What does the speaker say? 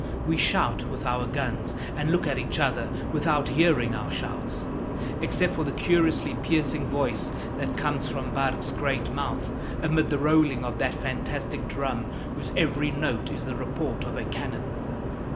We shout with our guns, and look at each other without hearing our shouts except for the curiously piercing voice that comes from Barque's great mouth amid the rolling of that fantastic drum whose every note is the report of a cannon.